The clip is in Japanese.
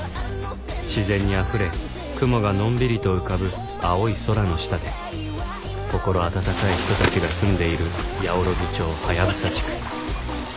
自然にあふれ雲がのんびりと浮かぶ青い空の下で心温かい人たちが住んでいる八百万町ハヤブサ地区